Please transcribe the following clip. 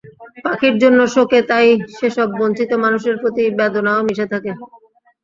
পাখির জন্য শোকে তাই সেসব বঞ্চিত মানুষের প্রতি বেদনাও মিশে থাকে।